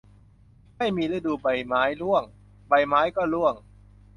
ไม่มีฤดูใบไม้ร่วง ใบไม้ก็ร่วง